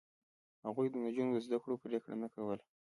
هغوی د نجونو د زده کړو پرېکړه نه کوله.